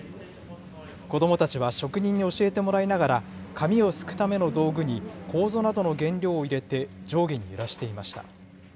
子どもたちは職人に教えてもらいながら、紙をすくための道具に、こうぞなどの原料を入れて上下に揺らしていました。